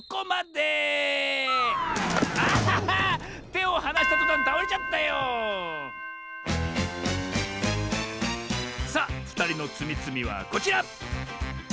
てをはなしたとたんたおれちゃったよさあふたりのつみつみはこちら！